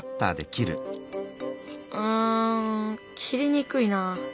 うん切りにくいな。